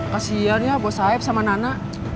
kasiannya bos saeb sama nana